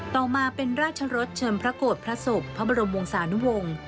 ต่อมาเป็นราชรสเชิมพระโกรธพระศพพระบรมวงศานุวงศ์